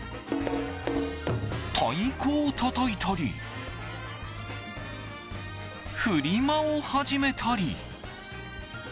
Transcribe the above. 太鼓をたたいたりフリマを始めたり。